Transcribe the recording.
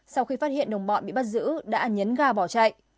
sau khi phát hiện đồng bọn bị bắt giữ đã nhấn ga bỏ chạy